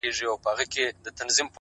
خو نن د زړه له تله،